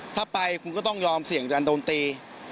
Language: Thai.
ถ้าไปคุณก็ต้องยอมเสี่ยงการโดนตี